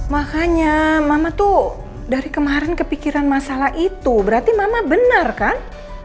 makanya mama tuh dari kemarin kepikiran masalah itu berarti mama benar kan